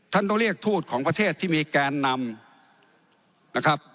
ท่านต้องเรียกทูตของประเทศที่มีแกนนำนะครับ